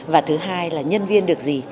và thứ hai là nhân viên được gì